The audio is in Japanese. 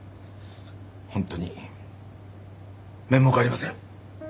ホントに面目ありません。